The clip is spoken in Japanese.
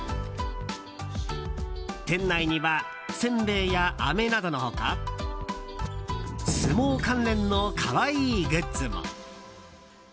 店内にはせんべいや、あめなどの他相撲関連の可愛いグッズも。